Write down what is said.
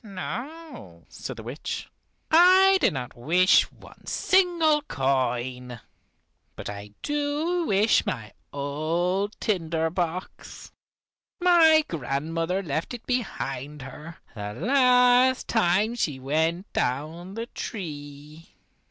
"No," said the witch: "I do not wish one single coin. But I do wish my old tinder box. My grandmother left it behind her, the last time she went down the tree."